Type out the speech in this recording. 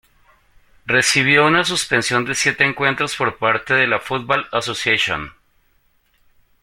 Recibió una suspensión de siete encuentros por parte de la Football Association.